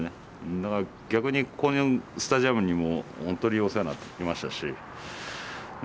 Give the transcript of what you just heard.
だから逆にこのスタジアムにも本当にお世話になってきましたしまあ